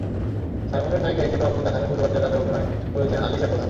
সাইমনের নায়িকা হিসেবে অমৃতা খানের পরিবর্তে তাতে অভিনয় করেছেন আলিশা প্রধান।